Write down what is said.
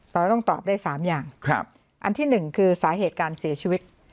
ตอนนี้ต้องตอบได้สามอย่างครับอันที่หนึ่งคือสาเหตุการณ์เสียชีวิต